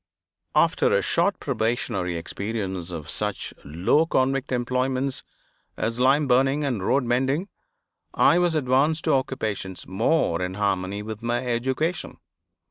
After a short probationary experience of such low convict employments as lime burning and road mending, I was advanced to occupations more in harmony with my education.